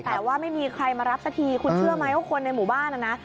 แต่ว่าไม่มีใครมารับสักทีคุณเชื่อไหมว่าคนในหมู่บ้านน่ะนะ